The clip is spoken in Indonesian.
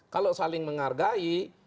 kalau saling menghargai